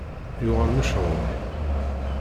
Yuɣal mechuṛ.